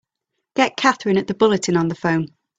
Get Katherine at the Bulletin on the phone!